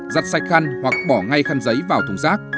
giặt sạch khăn hoặc bỏ ngay khăn giấy vào thùng rác